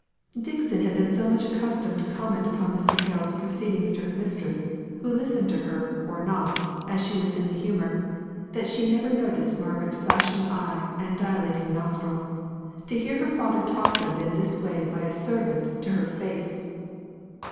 '" Dixon had been so much accustomed to comment upon Mr. Hale's proceedings to her mistress (who listened to her, or not, as she was in the humour), that she never noticed Margaret's flashing eye and dilating nostril. To hear her father talked of in this way by a servant to her face!